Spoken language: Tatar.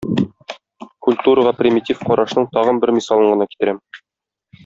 Культурага примитив карашның тагын бер мисалын гына китерәм.